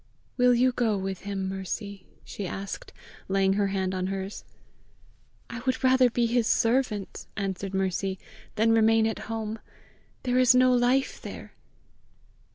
"Will you go with him, Mercy?" she asked, laying her hand on hers. "I would rather be his servant," answered Mercy, "than remain at home: there is no life there!"